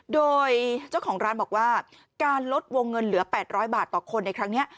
โดยเจ้าของร้านบอกว่าการลดวงเงินเหลือ๘๐๐บาทต่อคนในครั้งนี้